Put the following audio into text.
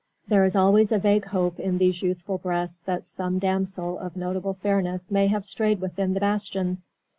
There is always a vague hope in these youthful breasts that some damsel of notable fairness may have strayed within the bastions.